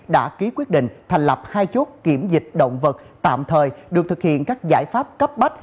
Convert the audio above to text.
đã ký quyết định thành lập hai chốt kiểm dịch động vật tạm thời được thực hiện các giải pháp cấp bách